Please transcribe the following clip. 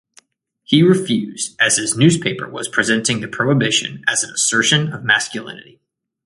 He refused as his newspaper was presenting the prohibition as an assertion of masculinity.